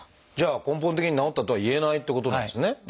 じゃあ根本的に治ったとはいえないってことなんですね。